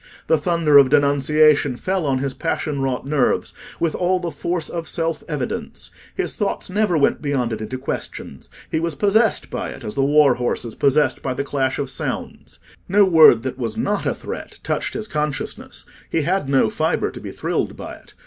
The thunder of denunciation fell on his passion wrought nerves with all the force of self evidence: his thought never went beyond it into questions—he was possessed by it as the war horse is possessed by the clash of sounds. No word that was not a threat touched his consciousness; he had no fibre to be thrilled by it.